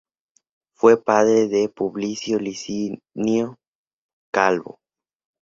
Fue padre de Publio Licinio Calvo.